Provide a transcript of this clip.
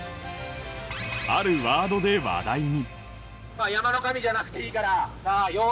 あるワードで話題に。